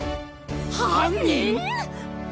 犯人！？